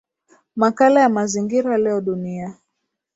makala ya mazingira leo dunia